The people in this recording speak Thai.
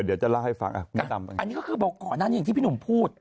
เดี๋ยวจะเล่าให้ฟังอันนี้ก็คือบอกก่อนนั้นอย่างที่พี่หนุ่มพูด